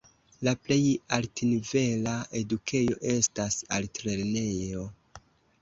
La plej altnivela edukejo estas altlernejo.